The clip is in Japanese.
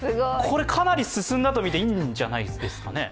これ、かなり進んだとみていいんじゃないですかね。